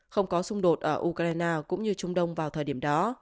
không có xung đột ở ukraine cũng như trung đông vào thời điểm đó